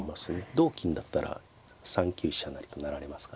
同金だったら３九飛車成と成られますからね。